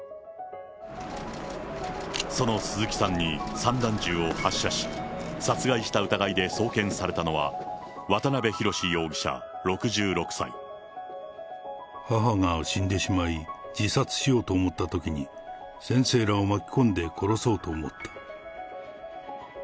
その鈴木さんに散弾銃を発射し、殺害した疑いで送検されたのは、母が死んでしまい、自殺しようと思ったときに、先生らを巻き込んで殺そうと思った。